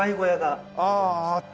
あああったのね。